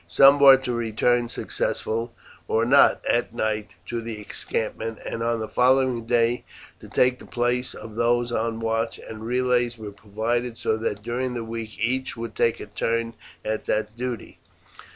Some were to return, successful or not, at night to the encampment, and on the following day to take the place of those on watch, and relays were provided so that during the week each would take a turn at that duty.